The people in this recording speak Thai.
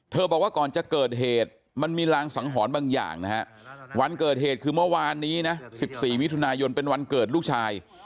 เธอบอกว่าก่อนจะเกิดเหตุมันมีรางสังหรณ์บางอย่างนะฮะ